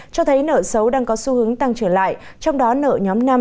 cho thấy nợ xấu đang có xu hướng tăng trở lại trong đó nợ nhóm năm